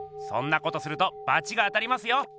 そんなことするとバチが当たりますよ。